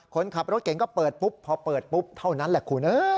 คนขับรถเก่งก็เปิดปุ๊บพอเปิดปุ๊บเท่านั้นแหละคุณ